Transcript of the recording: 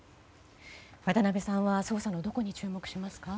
渡辺さんは捜査のどこに注目しますか？